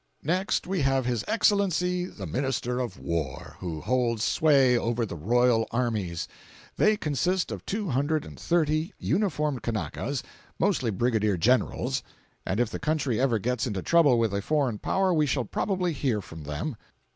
Next we have his Excellency the Minister of War, who holds sway over the royal armies—they consist of two hundred and thirty uniformed Kanakas, mostly Brigadier Generals, and if the country ever gets into trouble with a foreign power we shall probably hear from them.